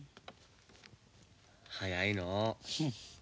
早いのう。